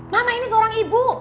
mama ini seorang ibu